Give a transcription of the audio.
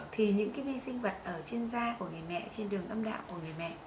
thì những cái vi sinh vật ở trên da của người mẹ trên đường âm đạo của người mẹ